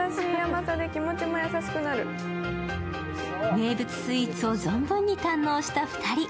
名物スイーツを存分に堪能した２人。